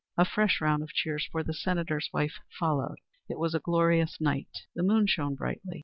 A fresh round of cheers for the Senator's wife followed. It was a glorious night. The moon shone brightly.